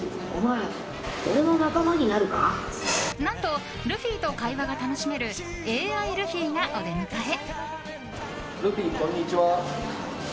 何とルフィと会話が楽しめるＡＩルフィがお出迎え。